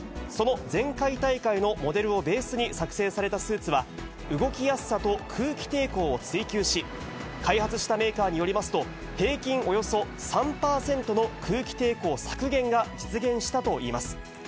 その前回大会のモデルをベースに作成されたスーツは、動きやすさと空気抵抗を追求し、開発したメーカーによりますと、平均およそ３％の空気抵抗削減が実現したといいます。